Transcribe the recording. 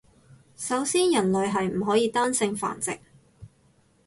首先人類係唔可以單性繁殖